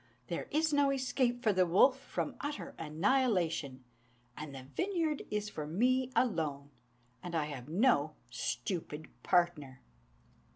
There is no escape for the wolf from utter annihilation; And the vineyard is for me alone, and I have no stupid partner."